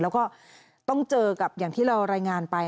แล้วก็ต้องเจอกับอย่างที่เรารายงานไป